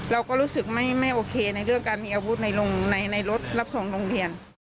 เราก็รู้สึกไม่โอเคในเรื่องการมีอาวุธในรถรับส่งโรงเรียน